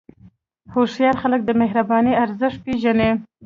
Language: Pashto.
هوښیار خلک د مهربانۍ ارزښت پېژني.